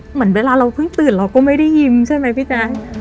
เหมือนเวลาเราเพิ่งตื่นเราก็ไม่ได้ยิ้มใช่ไหมพี่แจ๊ค